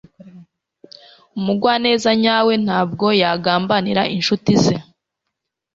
Umugwaneza nyawe ntabwo yagambanira inshuti ze.